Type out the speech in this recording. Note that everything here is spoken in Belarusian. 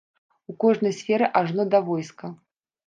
У кожнай сферы, ажно да войска.